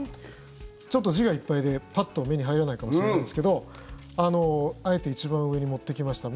ちょっと字がいっぱいでパッと目に入らないかもしれないですけどあえて一番上に持ってきました。